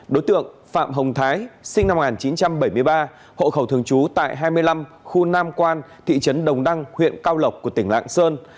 đối tượng phạm hồng thái sinh năm một nghìn chín trăm bảy mươi ba hộ khẩu thường trú tại hai mươi năm khu nam quan thị trấn đồng đăng huyện cao lộc của tỉnh lạng sơn